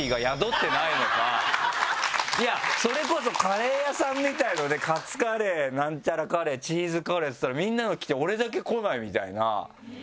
いやそれこそカレー屋さんみたいのでカツカレーなんちゃらカレーチーズカレーっつったらみんなのきて俺だけこないみたいな。